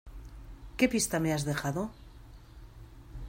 ¿Qué pista me has dejado?